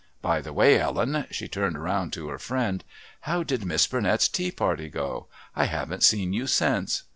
By the way, Ellen," she turned round to her friend, "how did Miss Burnett's tea party go? I haven't seen you since."